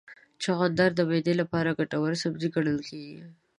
چغندر د معدې لپاره ګټور سبزی ګڼل کېږي.